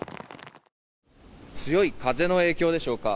強い風の影響でしょうか。